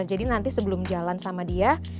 jadi nanti sebelum jalan sama dia